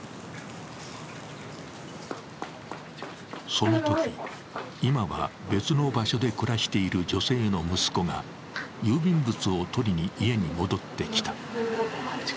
そのとき、今は別の場所で暮らしている女性の息子が郵便物を取りに家に戻ってきた。